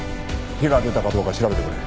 火が出たかどうか調べてくれ。